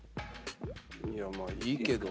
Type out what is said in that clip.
いやまあいいけど。